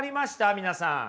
皆さん。